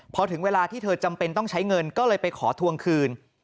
พอถึงเวลาที่เธอจำเป็นต้องใช้เงินก็เลยไปขอทวงคืน